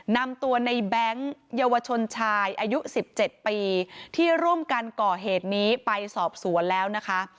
นำตัวในแบงค์เยาวชนชายอายุ๑๗ปีที่ร่วมกันก่อเหตุนี้ไปสอบสวนแล้วนะคะ